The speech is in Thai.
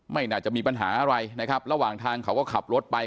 ไม่น่าจะมีปัญหาอะไรนะครับระหว่างทางเขาก็ขับรถไป